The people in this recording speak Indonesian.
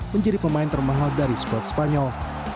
menjadi pemain termahal dari skuad spanyol